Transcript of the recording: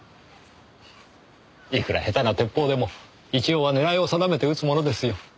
いくら下手な鉄砲でも一応は狙いを定めて撃つものですよ。